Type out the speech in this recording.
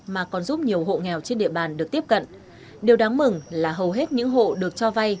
mà còn giúp nhiều hộ nghèo trên địa bàn được tiếp cận điều đáng mừng là hầu hết những hộ được cho vay